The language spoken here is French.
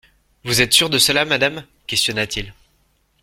«Vous êtes sûre de cela, madame ?» questionna-t-il.